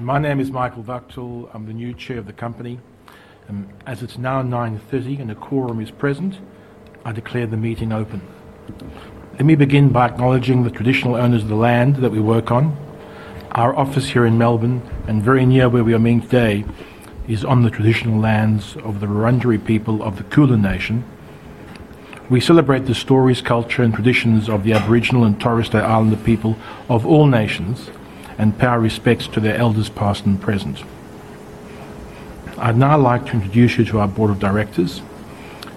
Okay. My name is Michael Wachtel. I'm the new chair of the company. As it's now 9:30 and the quorum is present, I declare the meeting open. Let me begin by acknowledging the traditional owners of the land that we work on. Our office here in Melbourne, and very near where we are meeting today, is on the traditional lands of the Wurundjeri people of the Kulin Nation. We celebrate the stories, culture, and traditions of the Aboriginal and Torres Strait Islander people of all nations, and pay our respects to their elders past and present. I'd now like to introduce you to our board of directors.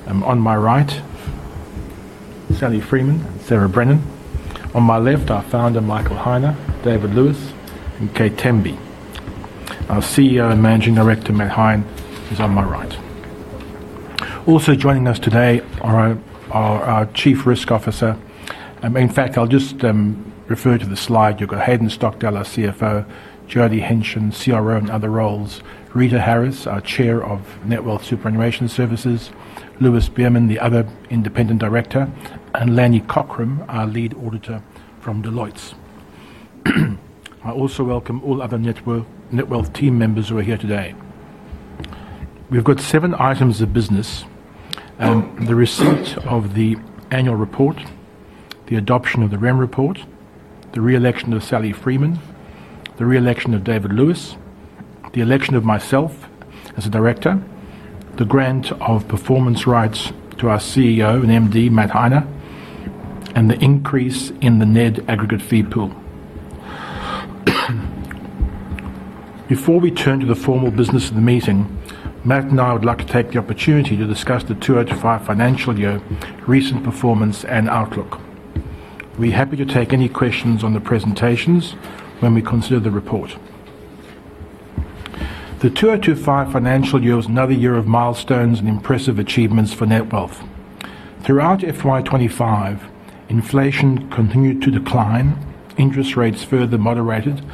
On my right, Sally Freeman and Sarah Brennan. On my left, our founder, Michael Heine, Davyd Lewis, and Kate Temby. Our CEO and managing director, Matt Heine, is on my right. Also joining us today are our Chief Risk Officer. In fact, I'll just refer to the slide. You've got Hayden Stockdale, our CFO, Jodie Henson, CRO in other roles, Rita Harris, our chair of NetWealth Superannuation Services, Lewis Berman, the other independent director, and Lanny Cochrane, our lead auditor from Deloitte. I also welcome all other NetWealth team members who are here today. We've got seven items of business: the receipt of the annual report, the adoption of the REM report, the re-election of Sally Freeman, the re-election of Davyd Lewis, the election of myself as a director, the grant of performance rights to our CEO and MD, Matt Heine, and the increase in the net aggregate fee pool. Before we turn to the formal business of the meeting, Matt and I would like to take the opportunity to discuss the 2025 financial year, recent performance, and outlook. We're happy to take any questions on the presentations when we consider the report. The 2025 financial year was another year of milestones and impressive achievements for NetWealth. Throughout FY 2025, inflation continued to decline, interest rates further moderated,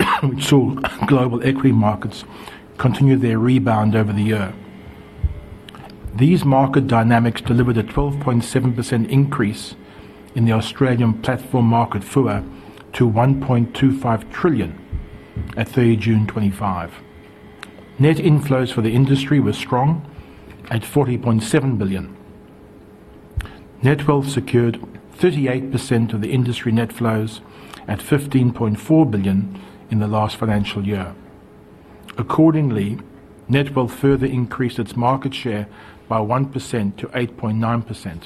and we saw global equity markets continue their rebound over the year. These market dynamics delivered a 12.7% increase in the Australian platform market FUE to 1.25 trillion at 30 June 2025. Net inflows for the industry were strong at 40.7 billion. NetWealth secured 38% of the industry net flows at 15.4 billion in the last financial year. Accordingly, NetWealth further increased its market share by 1% to 8.9%.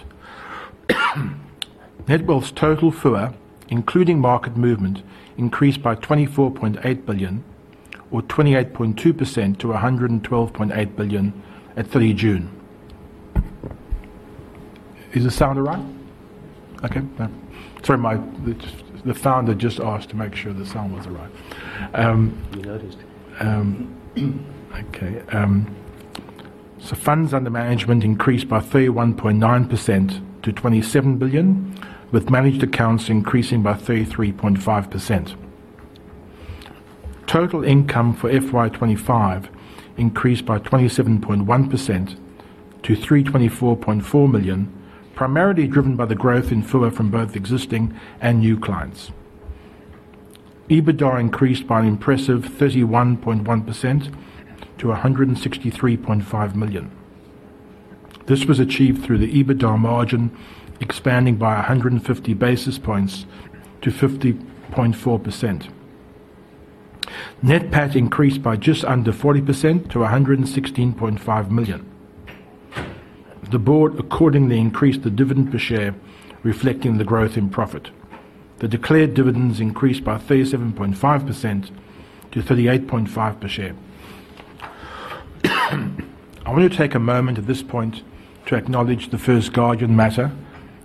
NetWealth's total FUE, including market movement, increased by 24.8 billion, or 28.2% to 112.8 billion at 30 June. Is the sound all right? Okay. Sorry, the founder just asked to make sure the sound was all right. We noticed. Okay. So funds under management increased by 31.9% to 27 billion, with managed accounts increasing by 33.5%. Total income for FY 2025 increased by 27.1% to 324.4 million, primarily driven by the growth in FUE from both existing and new clients. EBITDA increased by an impressive 31.1% to 163.5 million. This was achieved through the EBITDA margin expanding by 150 basis points to 50.4%. Net PAT increased by just under 40% to 116.5 million. The board accordingly increased the dividend per share, reflecting the growth in profit. The declared dividends increased by 37.5% to 0.385 per share. I want to take a moment at this point to acknowledge the First Guardian matter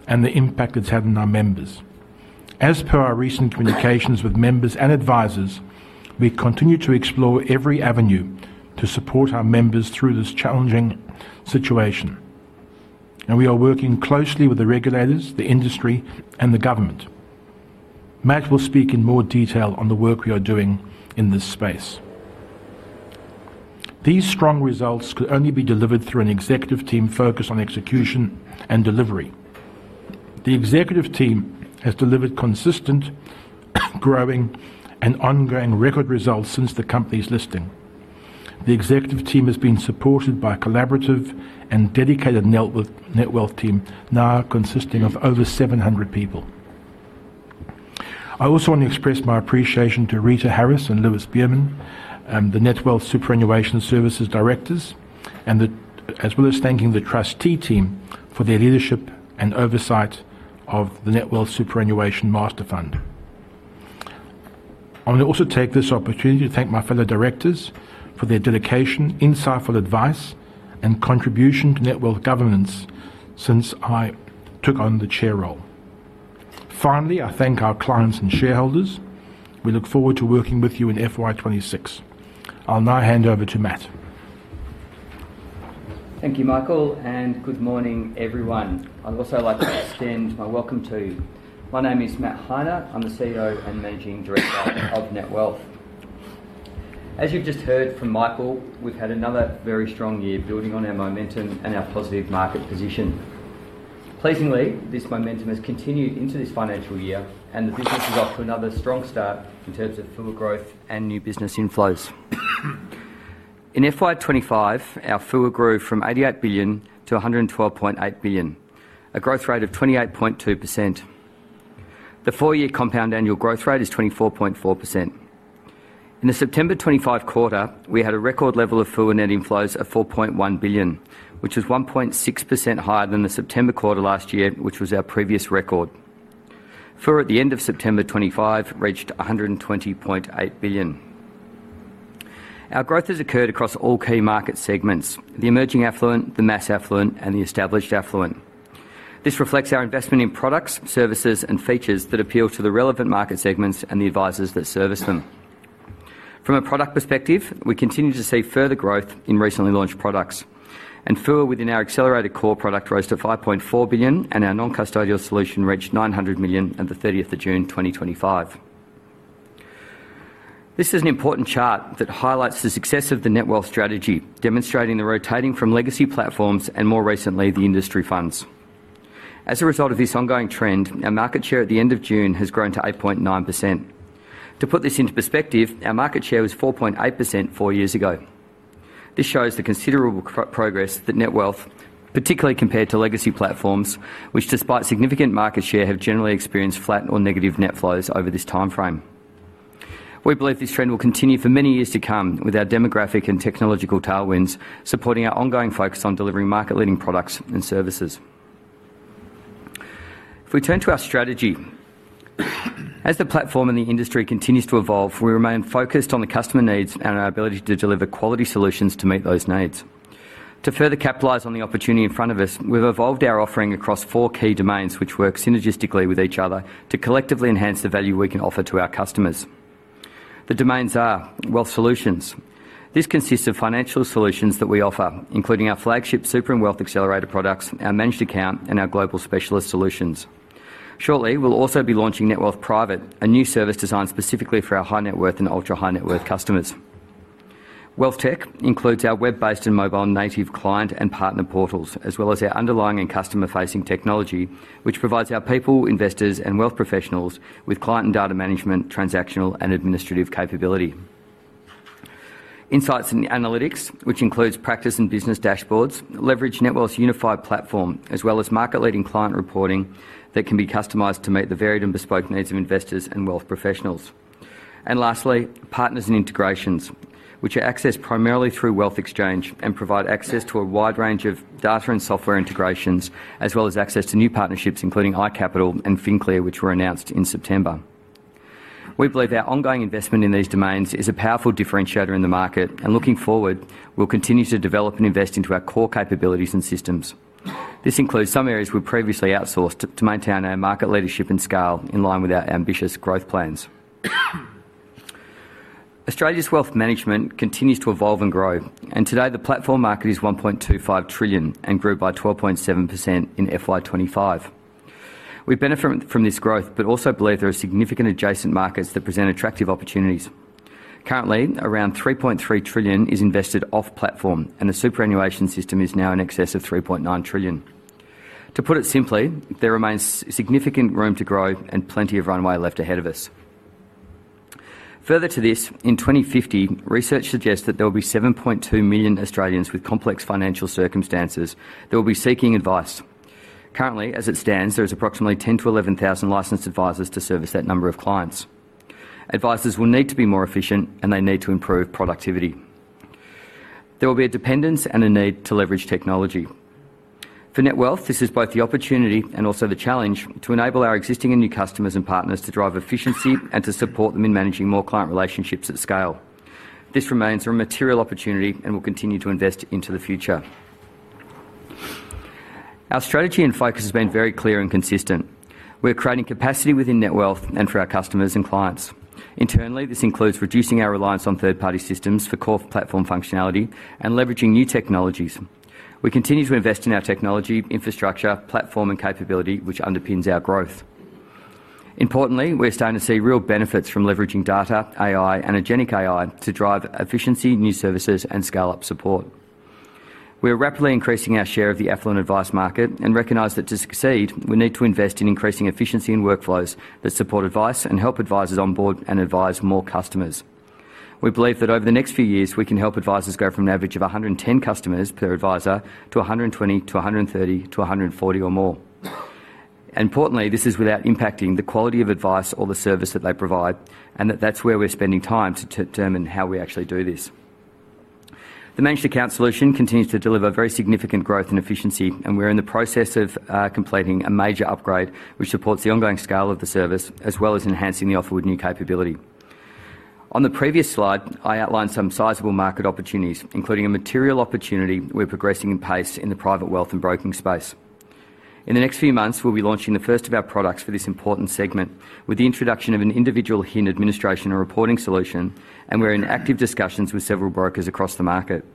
and the impact it's had on our members. As per our recent communications with members and advisors, we continue to explore every avenue to support our members through this challenging situation, and we are working closely with the regulators, the industry, and the government. Matt will speak in more detail on the work we are doing in this space. These strong results could only be delivered through an executive team focused on execution and delivery. The executive team has delivered consistent, growing, and ongoing record results since the company's listing. The executive team has been supported by a collaborative and dedicated NetWealth team now consisting of over 700 people. I also want to express my appreciation to Rita Harris and Lewis Berman, the NetWealth Superannuation Services directors, as well as thanking the trustee team for their leadership and oversight of the NetWealth Superannuation Master Fund. I want to also take this opportunity to thank my fellow directors for their dedication, insightful advice, and contribution to Netwealth governance since I took on the chair role. Finally, I thank our clients and shareholders. We look forward to working with you in FY 2026. I'll now hand over to Matt. Thank you, Michael, and good morning, everyone. I'd also like to extend my welcome to you. My name is Matt Heine. I'm the CEO and managing director of Netwealth. As you've just heard from Michael, we've had another very strong year building on our momentum and our positive market position. Pleasingly, this momentum has continued into this financial year, and the business is off to another strong start in terms of FUE growth and new business inflows. In FY 2025, our FUE grew from 88 billion to 112.8 billion, a growth rate of 28.2%. The four-year compound annual growth rate is 24.4%. In the September 2025 quarter, we had a record level of FUE net inflows of 4.1 billion, which was 1.6% higher than the September quarter last year, which was our previous record. FUE at the end of September 2025 reached 120.8 billion. Our growth has occurred across all key market segments: the emerging affluent, the mass affluent, and the established affluent. This reflects our investment in products, services, and features that appeal to the relevant market segments and the advisors that service them. From a product perspective, we continue to see further growth in recently launched products, and FUE within our accelerated core product rose to 5.4 billion, and our non-custodial solution reached 900 million at the 30th of June 2025. This is an important chart that highlights the success of the Netwealth strategy, demonstrating the rotating from legacy platforms and, more recently, the industry funds. As a result of this ongoing trend, our market share at the end of June has grown to 8.9%. To put this into perspective, our market share was 4.8% four years ago. This shows the considerable progress that NetWealth, particularly compared to legacy platforms, which despite significant market share have generally experienced flat or negative net flows over this timeframe. We believe this trend will continue for many years to come with our demographic and technological tailwinds supporting our ongoing focus on delivering market-leading products and services. If we turn to our strategy, as the platform and the industry continues to evolve, we remain focused on the customer needs and our ability to deliver quality solutions to meet those needs. To further capitalise on the opportunity in front of us, we've evolved our offering across four key domains which work synergistically with each other to collectively enhance the value we can offer to our customers. The domains are wealth solutions. This consists of financial solutions that we offer, including our flagship Super and Wealth Accelerator products, our managed account, and our global specialist solutions. Shortly, we'll also be launching NetWealth Private, a new service designed specifically for our high-net-worth and ultra-high-net-worth customers. Wealth Tech includes our web-based and mobile native client and partner portals, as well as our underlying and customer-facing technology, which provides our people, investors, and wealth professionals with client and data management, transactional, and administrative capability. Insights and analytics, which includes practice and business dashboards, leverage NetWealth's unified platform, as well as market-leading client reporting that can be customized to meet the varied and bespoke needs of investors and wealth professionals. Lastly, partners and integrations, which are accessed primarily through Wealth Exchange and provide access to a wide range of data and software integrations, as well as access to new partnerships, including iCapital and FinClear, which were announced in September. We believe our ongoing investment in these domains is a powerful differentiator in the market, and looking forward, we'll continue to develop and invest into our core capabilities and systems. This includes some areas we previously outsourced to maintain our market leadership and scale in line with our ambitious growth plans. Australia's wealth management continues to evolve and grow, and today the platform market is 1.25 trillion and grew by 12.7% in FY 2025. We benefit from this growth, but also believe there are significant adjacent markets that present attractive opportunities. Currently, around 3.3 trillion is invested off-platform, and the superannuation system is now in excess of 3.9 trillion. To put it simply, there remains significant room to grow and plenty of runway left ahead of us. Further to this, in 2050, research suggests that there will be 7.2 million Australians with complex financial circumstances that will be seeking advice. Currently, as it stands, there are approximately 10,000-11,000 licensed advisors to service that number of clients. Advisors will need to be more efficient, and they need to improve productivity. There will be a dependence and a need to leverage technology. For NetWealth, this is both the opportunity and also the challenge to enable our existing and new customers and partners to drive efficiency and to support them in managing more client relationships at scale. This remains a material opportunity and will continue to invest into the future. Our strategy and focus have been very clear and consistent. We're creating capacity within Netwealth and for our customers and clients. Internally, this includes reducing our reliance on third-party systems for core platform functionality and leveraging new technologies. We continue to invest in our technology, infrastructure, platform, and capability, which underpins our growth. Importantly, we're starting to see real benefits from leveraging data, AI, and agentic AI to drive efficiency, new services, and scale-up support. We are rapidly increasing our share of the affluent advice market and recognize that to succeed, we need to invest in increasing efficiency in workflows that support advice and help advisors onboard and advise more customers. We believe that over the next few years, we can help advisors go from an average of 110 customers per advisor to 120-130-140 or more. Importantly, this is without impacting the quality of advice or the service that they provide, and that's where we're spending time to determine how we actually do this. The managed account solution continues to deliver very significant growth and efficiency, and we're in the process of completing a major upgrade which supports the ongoing scale of the service as well as enhancing the offer with new capability. On the previous slide, I outlined some sizable market opportunities, including a material opportunity we're progressing in pace in the private wealth and broking space. In the next few months, we'll be launching the first of our products for this important segment with the introduction of an individual-keyed administration and reporting solution, and we're in active discussions with several brokers across the market.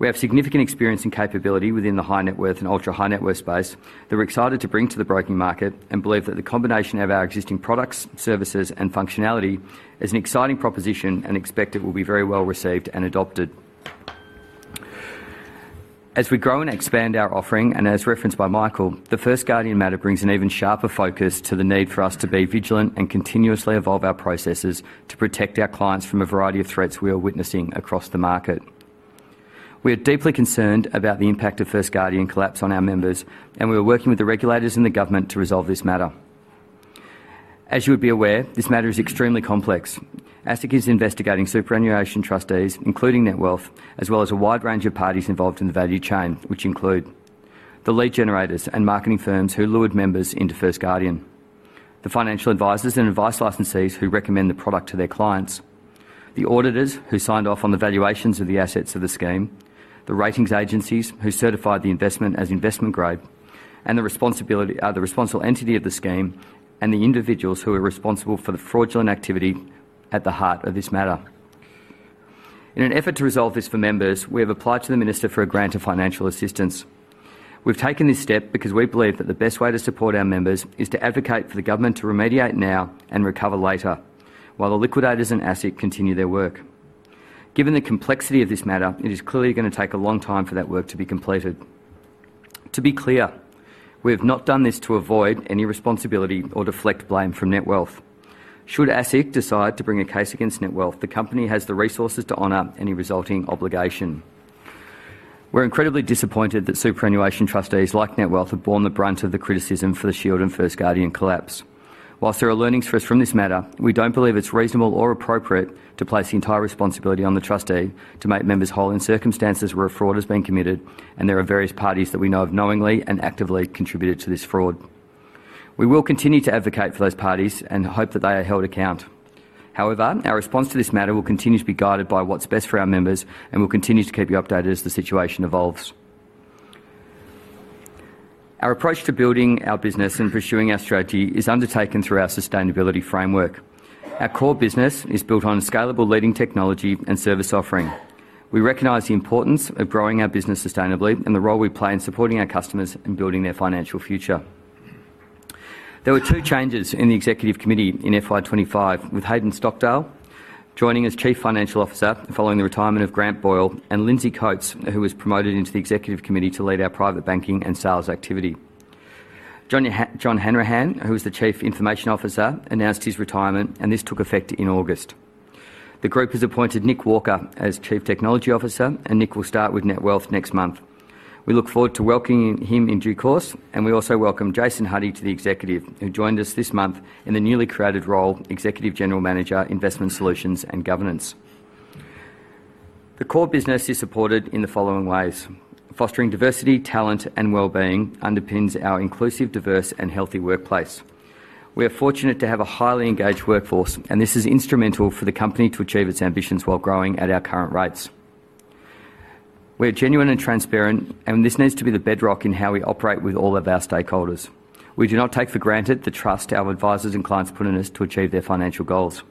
We have significant experience and capability within the high-net-worth and ultra-high-net-worth space that we're excited to bring to the broking market and believe that the combination of our existing products, services, and functionality is an exciting proposition and expect it will be very well received and adopted. As we grow and expand our offering, and as referenced by Michael, the First Guardian matter brings an even sharper focus to the need for us to be vigilant and continuously evolve our processes to protect our clients from a variety of threats we are witnessing across the market. We are deeply concerned about the impact of the First Guardian collapse on our members, and we are working with the regulators and the government to resolve this matter. As you would be aware, this matter is extremely complex. ASIC is investigating superannuation trustees, including NetWealth, as well as a wide range of parties involved in the value chain, which include the lead generators and marketing firms who lured members into First Guardian, the financial advisors and advice licensees who recommend the product to their clients, the auditors who signed off on the valuations of the assets of the scheme, the ratings agencies who certified the investment as investment grade, and the responsible entity of the scheme, and the individuals who are responsible for the fraudulent activity at the heart of this matter. In an effort to resolve this for members, we have applied to the minister for a grant of financial assistance. We've taken this step because we believe that the best way to support our members is to advocate for the government to remediate now and recover later while the liquidators and ASIC continue their work. Given the complexity of this matter, it is clearly going to take a long time for that work to be completed. To be clear, we have not done this to avoid any responsibility or deflect blame from NetWealth. Should ASIC decide to bring a case against NetWealth, the company has the resources to honor any resulting obligation. We're incredibly disappointed that superannuation trustees like NetWealth have borne the brunt of the criticism for the Shield and First Guardian collapse. Whilst there are learnings for us from this matter, we don't believe it's reasonable or appropriate to place the entire responsibility on the trustee to make members whole in circumstances where a fraud has been committed, and there are various parties that we know have knowingly and actively contributed to this fraud. We will continue to advocate for those parties and hope that they are held account. However, our response to this matter will continue to be guided by what's best for our members, and we'll continue to keep you updated as the situation evolves. Our approach to building our business and pursuing our strategy is undertaken through our sustainability framework. Our core business is built on a scalable leading technology and service offering. We recognize the importance of growing our business sustainably and the role we play in supporting our customers and building their financial future. There were two changes in the executive committee in FY 2025, with Hayden Stockdale joining as Chief Financial Officer following the retirement of Grant Boyle and Lindsay Coates, who was promoted into the executive committee to lead our private banking and sales activity. John Hanrahan, who was the Chief Information Officer, announced his retirement, and this took effect in August. The group has appointed Nick Walker as Chief Technology Officer, and Nick will start with NetWealth next month. We look forward to welcoming him in due course, and we also welcome Jason Huddie to the executive, who joined us this month in the newly created role of Executive General Manager, Investment Solutions and Governance. The core business is supported in the following ways. Fostering diversity, talent, and well-being underpins our inclusive, diverse, and healthy workplace. We are fortunate to have a highly engaged workforce, and this is instrumental for the company to achieve its ambitions while growing at our current rates. We are genuine and transparent, and this needs to be the bedrock in how we operate with all of our stakeholders. We do not take for granted the trust our advisors and clients put in us to achieve their financial goals.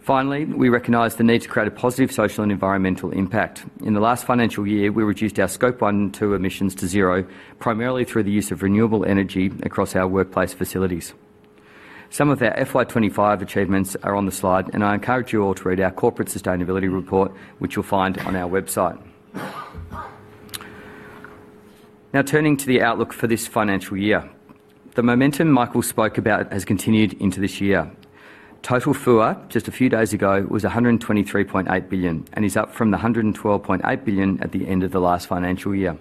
Finally, we recognize the need to create a positive social and environmental impact. In the last financial year, we reduced our scope one and two emissions to zero, primarily through the use of renewable energy across our workplace facilities. Some of our FY 2025 achievements are on the slide, and I encourage you all to read our corporate sustainability report, which you will find on our website. Now, turning to the outlook for this financial year, the momentum Michael spoke about has continued into this year. Total FUE, just a few days ago, was 123.8 billion and is up from the 112.8 billion at the end of the last financial year.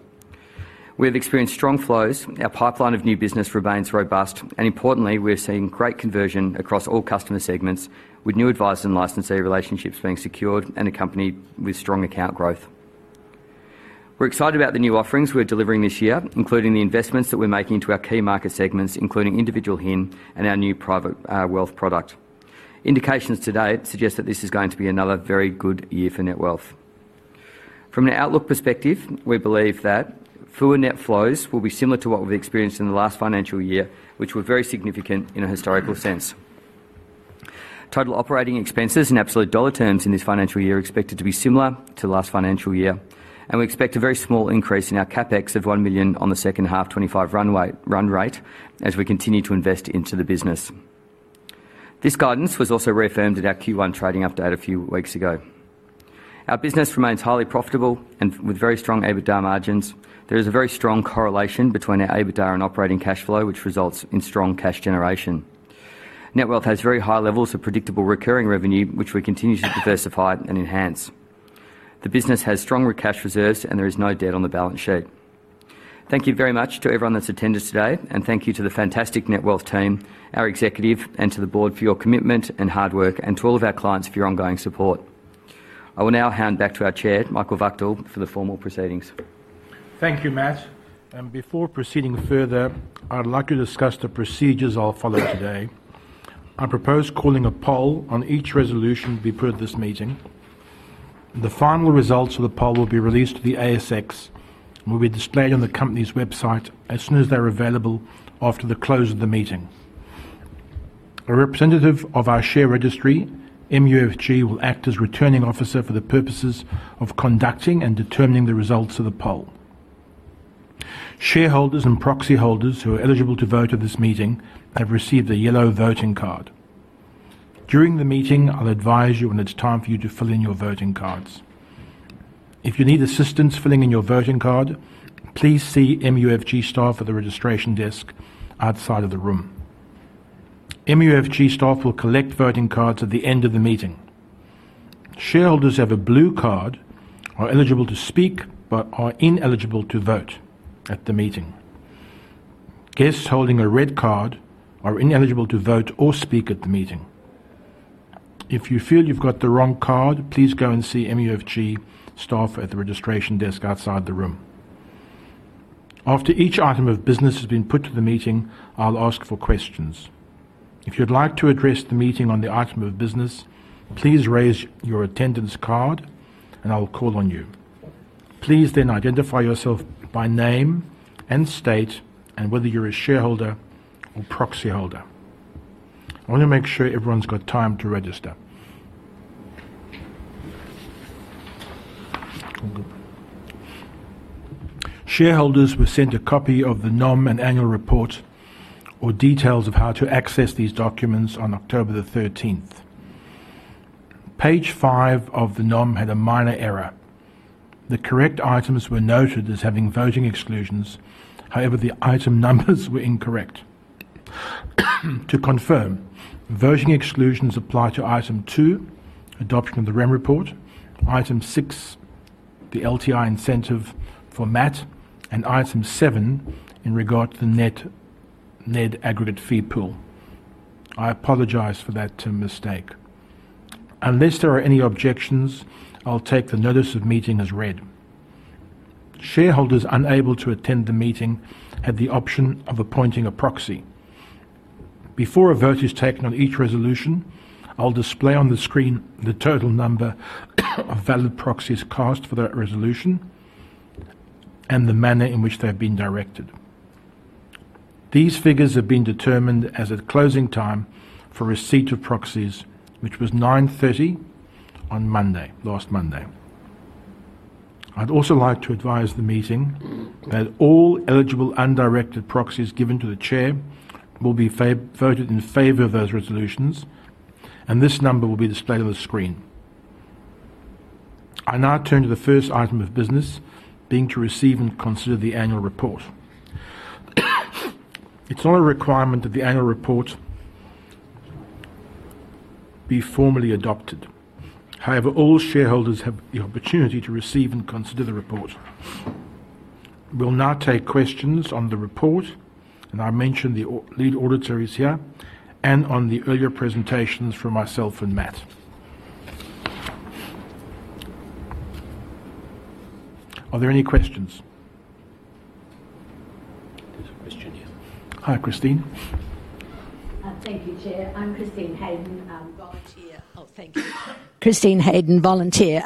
We have experienced strong flows. Our pipeline of new business remains robust, and importantly, we are seeing great conversion across all customer segments, with new advisors and licensee relationships being secured and accompanied with strong account growth. We're excited about the new offerings we're delivering this year, including the investments that we're making into our key market segments, including individual HIN and our new private wealth product. Indications today suggest that this is going to be another very good year for Netwealth. From an outlook perspective, we believe that FUE net flows will be similar to what we've experienced in the last financial year, which were very significant in a historical sense. Total operating expenses in absolute dollar terms in this financial year are expected to be similar to last financial year, and we expect a very small increase in our CapEx of 1 million on the second half 2025 run rate as we continue to invest into the business. This guidance was also reaffirmed in our Q1 trading update a few weeks ago. Our business remains highly profitable and with very strong EBITDA margins. There is a very strong correlation between our EBITDA and operating cash flow, which results in strong cash generation. NetWealth has very high levels of predictable recurring revenue, which we continue to diversify and enhance. The business has strong cash reserves, and there is no debt on the balance sheet. Thank you very much to everyone that's attended today, and thank you to the fantastic NetWealth team, our executive, and to the board for your commitment and hard work, and to all of our clients for your ongoing support. I will now hand back to our chair, Michael Wachtel, for the formal proceedings. Thank you, Matt. Before proceeding further, I'd like to discuss the procedures I'll follow today. I propose calling a poll on each resolution before this meeting. The final results of the poll will be released to the ASX and will be displayed on the company's website as soon as they're available after the close of the meeting. A representative of our share registry, MUFG, will act as returning officer for the purposes of conducting and determining the results of the poll. Shareholders and proxy holders who are eligible to vote at this meeting have received a yellow voting card. During the meeting, I'll advise you when it's time for you to fill in your voting cards. If you need assistance filling in your voting card, please see MUFG staff at the registration desk outside of the room. MUFG staff will collect voting cards at the end of the meeting. Shareholders have a blue card or are eligible to speak but are ineligible to vote at the meeting. Guests holding a red card are ineligible to vote or speak at the meeting. If you feel you've got the wrong card, please go and see MUFG staff at the registration desk outside the room. After each item of business has been put to the meeting, I'll ask for questions. If you'd like to address the meeting on the item of business, please raise your attendance card, and I'll call on you. Please then identify yourself by name and state and whether you're a shareholder or proxy holder. I want to make sure everyone's got time to register. Shareholders were sent a copy of the NOM and annual report or details of how to access these documents on October the 13th. Page five of the NOM had a minor error. The correct items were noted as having voting exclusions. However, the item numbers were incorrect. To confirm, voting exclusions apply to item two, adoption of the REM report, item six, the LTI incentive for Matt, and item seven in regard to the net aggregate fee pool. I apologize for that mistake. Unless there are any objections, I'll take the notice of meeting as read. Shareholders unable to attend the meeting had the option of appointing a proxy. Before a vote is taken on each resolution, I'll display on the screen the total number of valid proxies cast for that resolution and the manner in which they've been directed. These figures have been determined as a closing time for receipt of proxies, which was 9:30 A.M. on Monday, last Monday. I'd also like to advise the meeting that all eligible undirected proxies given to the chair will be voted in favor of those resolutions, and this number will be displayed on the screen. I now turn to the first item of business, being to receive and consider the annual report. It's not a requirement that the annual report be formally adopted. However, all shareholders have the opportunity to receive and consider the report. We'll now take questions on the report, and I mentioned the lead auditor is here and on the earlier presentations from myself and Matt. Are there any questions? There's a question here. Hi, Christine. Thank you, Chair. I'm Christine Hayden, volunteer. Oh, thank you. Christine Hayden, volunteer,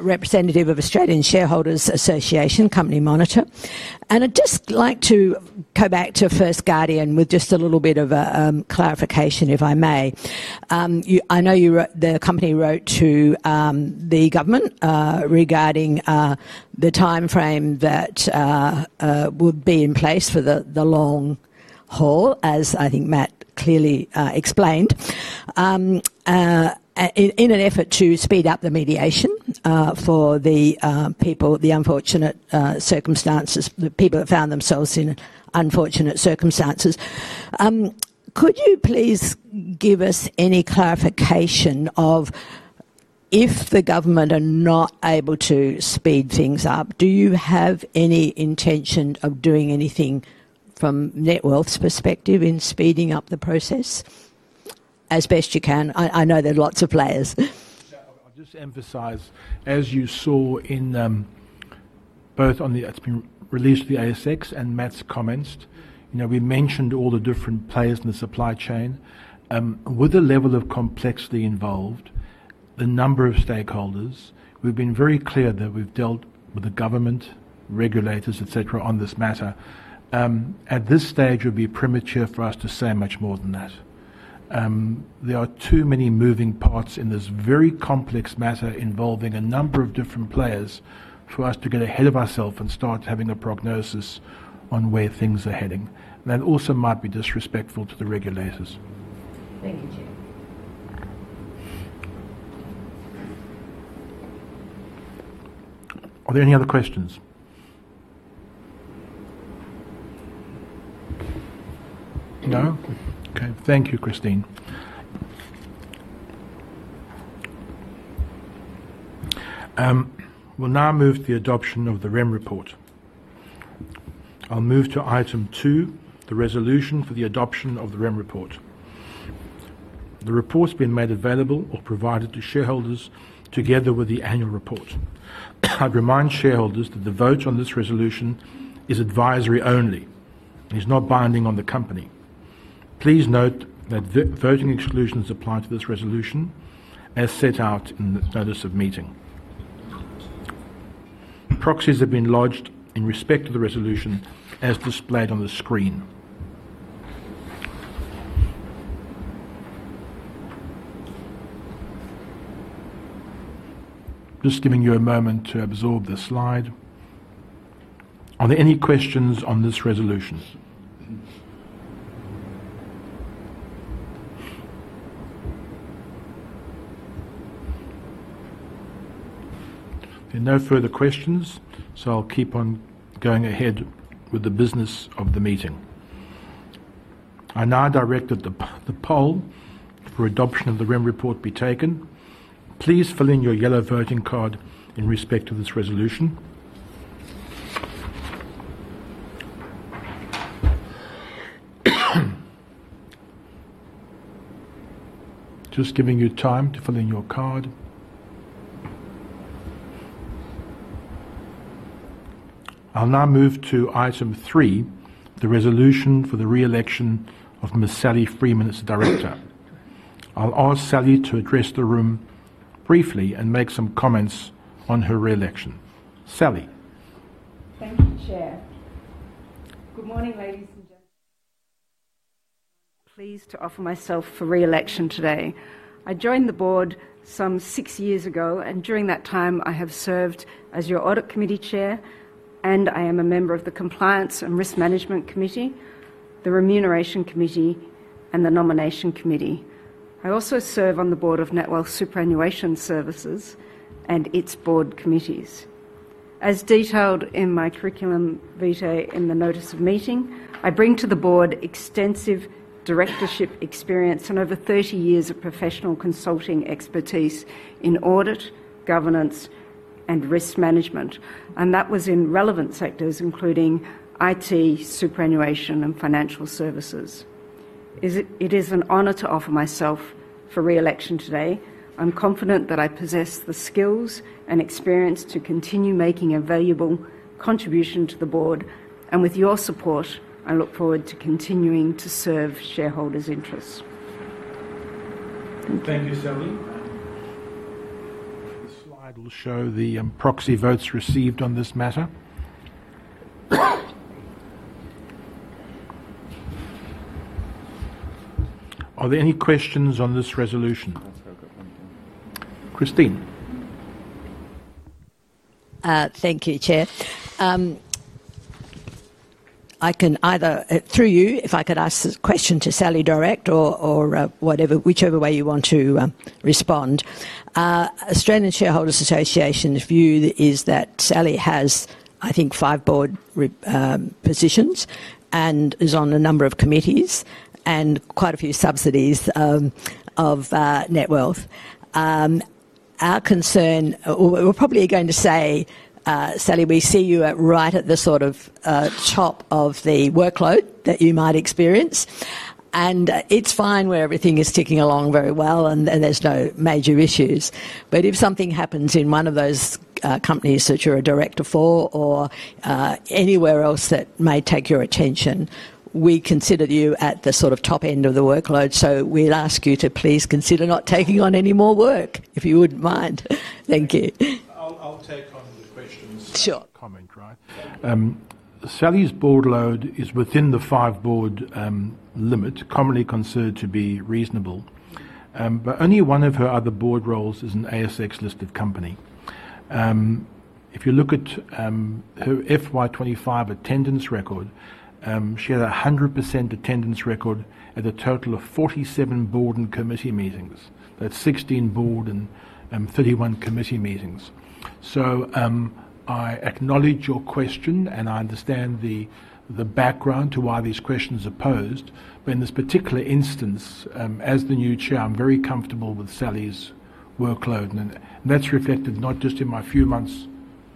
representative of Australian Shareholders Association, company monitor. And I'd just like to go back to First Guardian with just a little bit of a clarification, if I may. I know the company wrote to the government regarding the timeframe that would be in place for the long haul, as I think Matt clearly explained, in an effort to speed up the mediation for the people, the unfortunate circumstances, the people who found themselves in unfortunate circumstances. Could you please give us any clarification of if the government are not able to speed things up? Do you have any intention of doing anything from NetWealth's perspective in speeding up the process as best you can? I know there are lots of players. I'll just emphasize, as you saw in both on the it's been released to the ASX and Matt's comments, we mentioned all the different players in the supply chain. With the level of complexity involved, the number of stakeholders, we've been very clear that we've dealt with the government, regulators, etc., on this matter. At this stage, it would be premature for us to say much more than that. There are too many moving parts in this very complex matter involving a number of different players for us to get ahead of ourselves and start having a prognosis on where things are heading. That also might be disrespectful to the regulators. Thank you, Chair. Are there any other questions? No? Okay. Thank you, Christine. We'll now move to the adoption of the REM report. I'll move to item two, the resolution for the adoption of the REM report. The report's been made available or provided to shareholders together with the annual report. I'd remind shareholders that the vote on this resolution is advisory only. It's not binding on the company. Please note that voting exclusions apply to this resolution as set out in the notice of meeting. Proxies have been lodged in respect of the resolution as displayed on the screen. Just giving you a moment to absorb the slide. Are there any questions on this resolution? There are no further questions, so I'll keep on going ahead with the business of the meeting. I now direct that the poll for adoption of the REM report be taken. Please fill in your yellow voting card in respect of this resolution. Just giving you time to fill in your card. I'll now move to item three, the resolution for the re-election of Ms. Sally Freeman, its director. I'll ask Sally to address the room briefly and make some comments on her re-election. Sally. Thank you, Chair. Good morning, ladies and gentlemen. Pleased to offer myself for re-election today. I joined the board some six years ago, and during that time, I have served as your Audit Committee Chair, and I am a member of the Compliance and Risk Management Committee, the Remuneration Committee, and the Nomination Committee. I also serve on the board of NetWealth Superannuation Services and its board committees. As detailed in my curriculum vitae in the notice of meeting, I bring to the board extensive directorship experience and over 30 years of professional consulting expertise in audit, governance, and risk management. That was in relevant sectors, including IT, superannuation, and financial services. It is an honor to offer myself for re-election today. I'm confident that I possess the skills and experience to continue making a valuable contribution to the board. With your support, I look forward to continuing to serve shareholders' interests. Thank you, Sally. The slide will show the proxy votes received on this matter. Are there any questions on this resolution? Christine. Thank you, Chair. I can either through you, if I could ask the question to Sally direct or whichever way you want to respond. Australian Shareholders Association's view is that Sally has, I think, five board positions and is on a number of committees and quite a few subsidiaries of NetWealth. Our concern, we're probably going to say, "Sally, we see you right at the sort of top of the workload that you might experience." It's fine where everything is ticking along very well and there's no major issues. If something happens in one of those companies that you're a director for or anywhere else that may take your attention, we consider you at the sort of top end of the workload. We'd ask you to please consider not taking on any more work, if you wouldn't mind. Thank you. I'll take on the questions. Sure. Comment, right? Sally's board load is within the five board limit, commonly considered to be reasonable. Only one of her other board roles is an ASX-listed company. If you look at her FY 2025 attendance record, she had a 100% attendance record at a total of 47 board and committee meetings. That's 16 board and 31 committee meetings. I acknowledge your question, and I understand the background to why these questions are posed. In this particular instance, as the new chair, I'm very comfortable with Sally's workload. That's reflected not just in my few months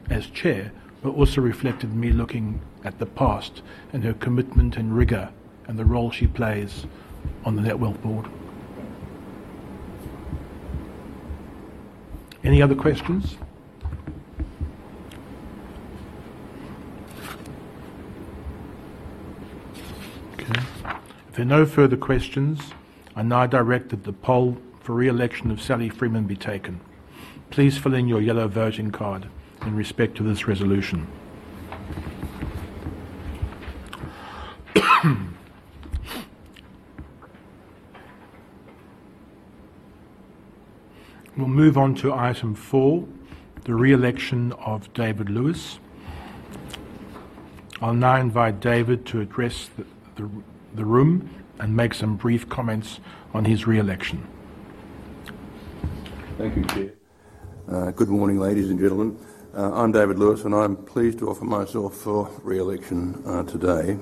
as chair, but also reflected in me looking at the past and her commitment and rigor and the role she plays on the Netwealth board. Any other questions? Okay. If there are no further questions, I now direct that the poll for re-election of Sally Freeman be taken. Please fill in your yellow voting card in respect to this resolution. We'll move on to item four, the re-election of Davyd Lewis. I'll now invite Davyd to address the room and make some brief comments on his re-election. Thank you, Chair. Good morning, ladies and gentlemen. I'm Davyd Lewis, and I'm pleased to offer myself for re-election today.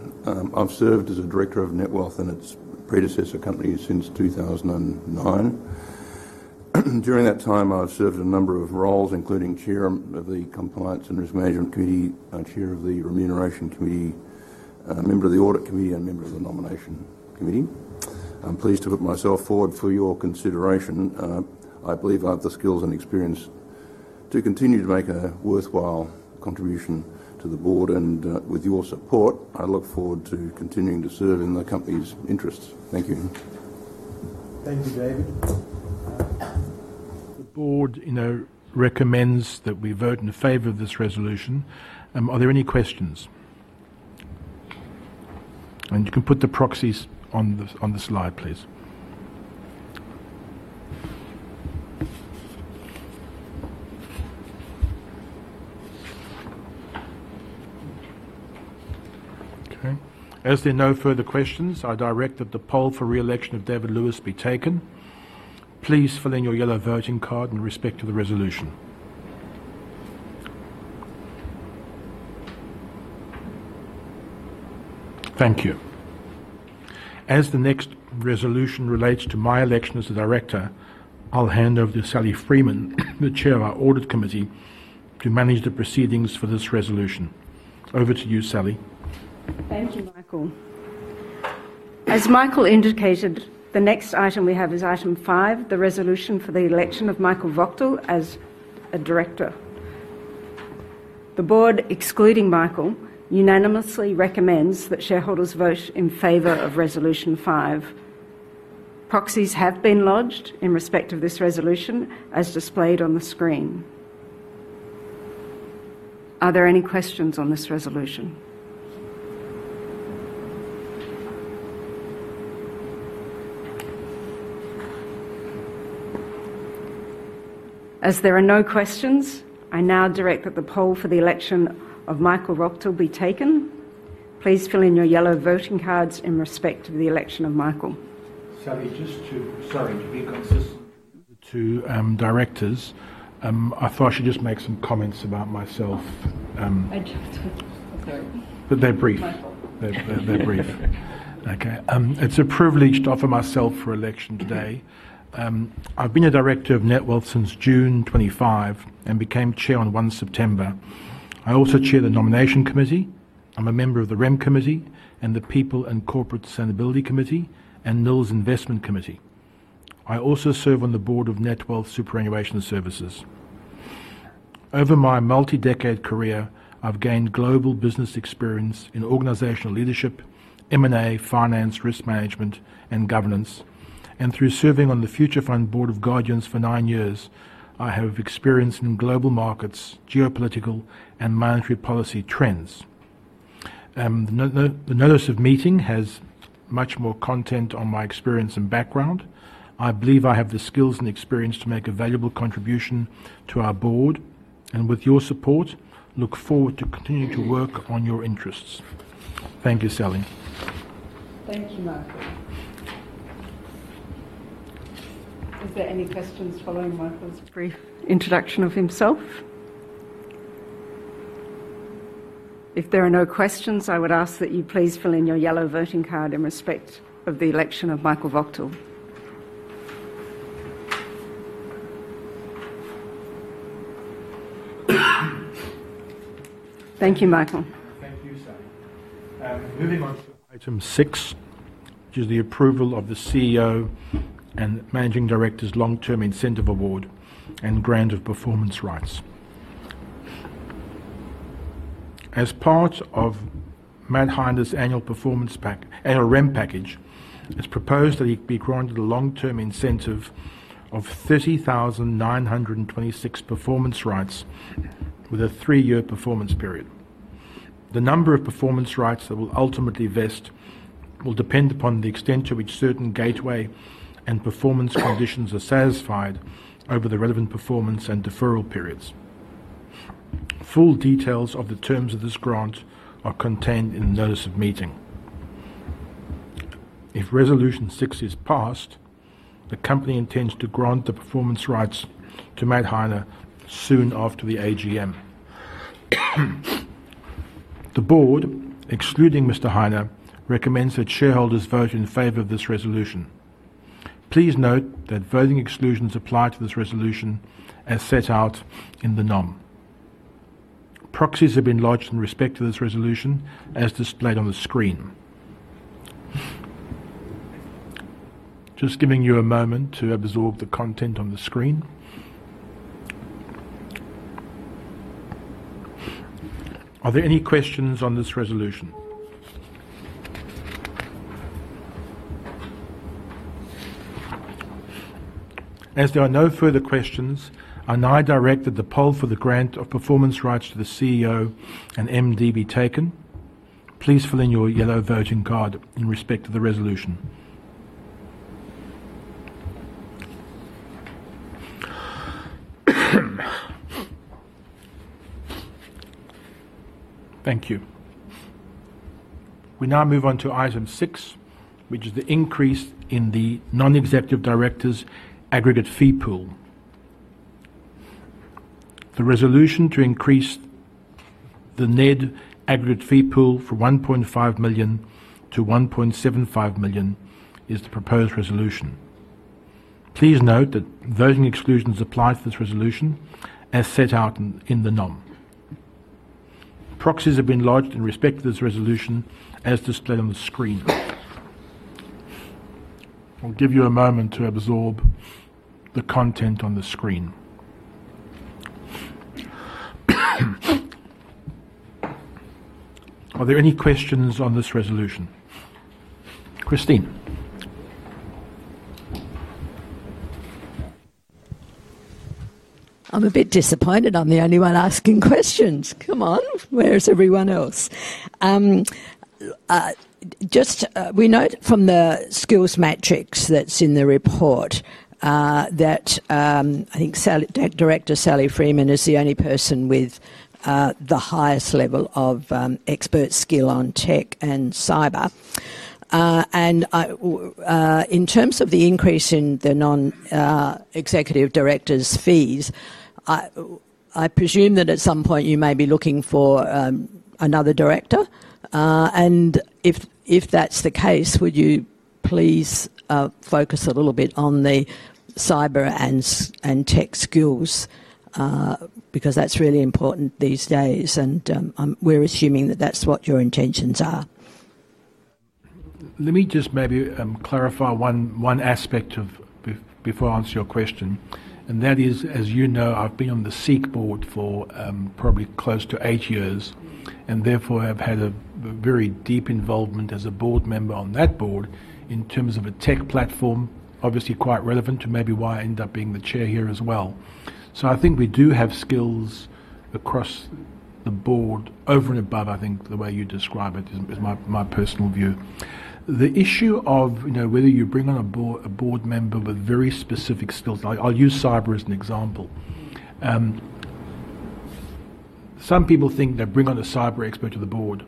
I've served as a director of NetWealth and its predecessor company since 2009. During that time, I've served a number of roles, including chair of the compliance and risk management committee, chair of the remuneration committee, member of the audit committee, and member of the nomination committee. I'm pleased to put myself forward for your consideration. I believe I have the skills and experience to continue to make a worthwhile contribution to the board. With your support, I look forward to continuing to serve in the company's interests. Thank you. Thank you, Davyd. The board recommends that we vote in favor of this resolution. Are there any questions? You can put the proxies on the slide, please. Okay. As there are no further questions, I direct that the poll for re-election of Davyd Lewis be taken. Please fill in your yellow voting card in respect to the resolution. Thank you. As the next resolution relates to my election as a director, I'll hand over to Sally Freeman, the chair of our Audit Committee, to manage the proceedings for this resolution. Over to you, Sally. Thank you, Michael. As Michael indicated, the next item we have is item five, the resolution for the election of Michael Wachtel as a director. The board, excluding Michael, unanimously recommends that shareholders vote in favor of resolution five. Proxies have been lodged in respect of this resolution as displayed on the screen. Are there any questions on this resolution? As there are no questions, I now direct that the poll for the election of Michael Wachtel be taken. Please fill in your yellow voting cards in respect of the election of Michael. Sally, just to—sorry, to be consistent with the two directors, I thought I should just make some comments about myself. I just—sorry. But they're brief. They're brief. Okay. It's a privilege to offer myself for election today. I've been a director of Netwealth since June 2025 and became chair on 1 September. I also chair the nomination committee. I'm a member of the REM committee and the People and Corporate Sustainability Committee and NILS Investment Committee. I also serve on the board of NetWealth Superannuation Services. Over my multi-decade career, I've gained global business experience in organisational leadership, M&A, finance, risk management, and governance. Through serving on the Future Fund board of guardians for nine years, I have experience in global markets, geopolitical, and monetary policy trends. The notice of meeting has much more content on my experience and background. I believe I have the skills and experience to make a valuable contribution to our board. With your support, I look forward to continuing to work on your interests. Thank you, Sally. Thank you, Michael. Is there any questions following Michael's brief introduction of himself? If there are no questions, I would ask that you please fill in your yellow voting card in respect of the election of Michael Wachtel. Thank you, Michael. Thank you, Sally. Moving on to item six, which is the approval of the CEO and Managing Director's long-term incentive award and grant of performance rights. As part of Matt Heine's annual REM package, it's proposed that he be granted a long-term incentive of 30,926 performance rights with a three-year performance period. The number of performance rights that will ultimately vest will depend upon the extent to which certain gateway and performance conditions are satisfied over the relevant performance and deferral periods. Full details of the terms of this grant are contained in the notice of meeting. If resolution six is passed, the company intends to grant the performance rights to Matt Heine soon after the AGM. The board, excluding Mr. Heine recommends that shareholders vote in favor of this resolution. Please note that voting exclusions apply to this resolution as set out in the NOM. Proxies have been lodged in respect of this resolution as displayed on the screen. Just giving you a moment to absorb the content on the screen. Are there any questions on this resolution? As there are no further questions, I now direct that the poll for the grant of performance rights to the CEO and MD be taken. Please fill in your yellow voting card in respect of the resolution. Thank you. We now move on to item six, which is the increase in the non-executive directors' aggregate fee pool. The resolution to increase the NED aggregate fee pool from $1.5 million to $1.75 million is the proposed resolution. Please note that voting exclusions apply to this resolution as set out in the NOM. Proxies have been lodged in respect of this resolution as displayed on the screen. I'll give you a moment to absorb the content on the screen. Are there any questions on this resolution? Christine. I'm a bit disappointed I'm the only one asking questions. Come on, where's everyone else? Just we note from the skills matrix that's in the report that I think Director Sally Freeman is the only person with the highest level of expert skill on tech and cyber. In terms of the increase in the non-executive directors' fees, I presume that at some point you may be looking for another director. If that's the case, would you please focus a little bit on the cyber and tech skills because that's really important these days? We're assuming that that's what your intentions are. Let me just maybe clarify one aspect before I answer your question. That is, as you know, I've been on the SEEK board for probably close to eight years and therefore have had a very deep involvement as a board member on that board in terms of a tech platform, obviously quite relevant to maybe why I ended up being the chair here as well. I think we do have skills across the board over and above, I think, the way you describe it is my personal view. The issue of whether you bring on a board member with very specific skills—I'll use cyber as an example. Some people think they bring on a cyber expert to the board.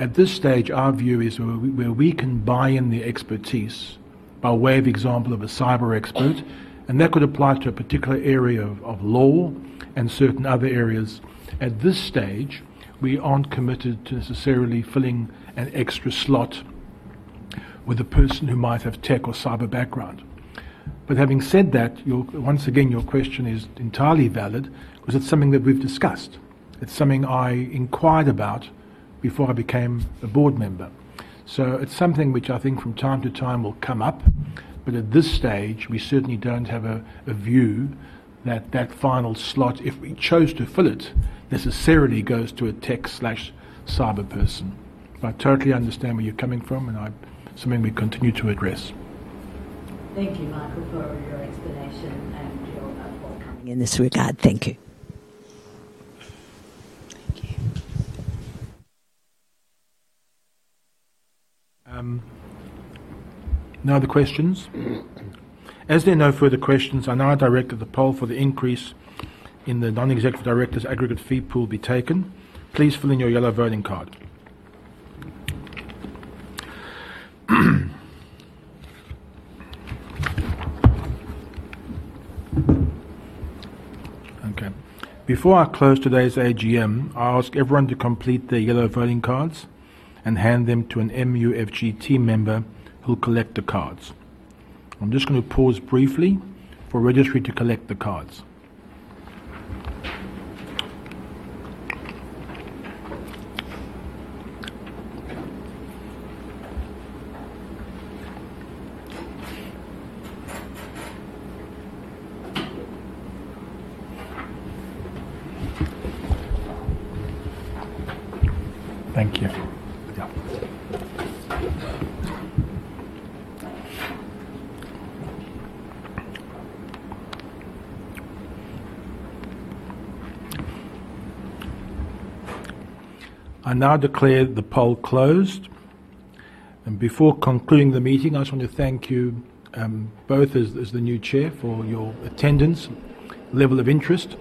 At this stage, our view is where we can buy in the expertise by way of example of a cyber expert, and that could apply to a particular area of law and certain other areas. At this stage, we aren't committed to necessarily filling an extra slot with a person who might have tech or cyber background. Having said that, once again, your question is entirely valid because it's something that we've discussed. It's something I inquired about before I became a board member. It's something which I think from time to time will come up. At this stage, we certainly don't have a view that that final slot, if we chose to fill it, necessarily goes to a tech/cyber person. I totally understand where you're coming from, and it's something we continue to address. Thank you, Michael, for your explanation and your coming in this regard. Thank you. Thank you. No other questions? As there are no further questions, I now direct that the poll for the increase in the non-executive directors' aggregate fee pool be taken. Please fill in your yellow voting card. Okay. Before I close today's AGM, I'll ask everyone to complete their yellow voting cards and hand them to an MUFG team member who'll collect the cards. I'm just going to pause briefly for registry to collect the cards. Thank you. I now declare the poll closed. Before concluding the meeting, I just want to thank you both as the new chair for your attendance, level of interest.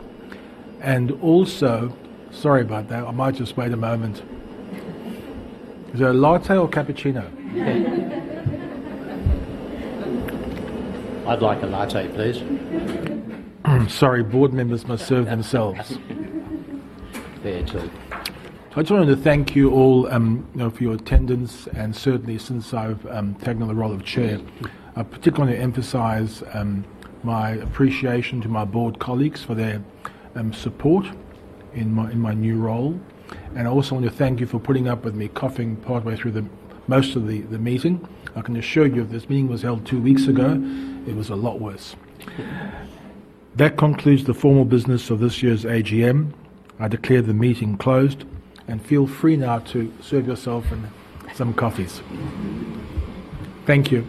Also, sorry about that, I might just wait a moment. Is there a latte or cappuccino? I'd like a latte, please. Sorry, board members must serve themselves. Fair too. I just wanted to thank you all for your attendance. Certainly, since I've taken on the role of chair, I particularly want to emphasize my appreciation to my board colleagues for their support in my new role. I also want to thank you for putting up with me coughing partway through most of the meeting. I can assure you if this meeting was held two weeks ago, it was a lot worse. That concludes the formal business of this year's AGM. I declare the meeting closed. Feel free now to serve yourself some coffees. Thank you.